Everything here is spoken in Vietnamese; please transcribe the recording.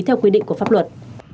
theo quy định của pháp luật